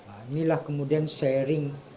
inilah kemudian sharing